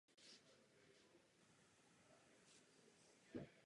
Tento návrh Občanského fóra se však nestal předmětem jednání ve Federálním shromáždění.